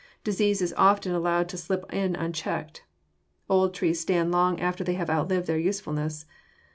Disease is often allowed to slip in unchecked. Old trees stand long after they have outlived their usefulness.